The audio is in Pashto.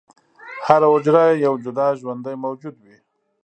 هره حجره یو جدا ژوندی موجود وي.